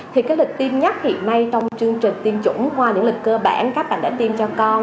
thì cái lịch tiêm nhất hiện nay trong chương trình tiêm chủng qua những lịch cơ bản các bạn đã tiêm cho con